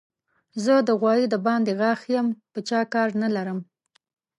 زه د غوايي د باندې غاښ يم؛ په چا کار نه لرم.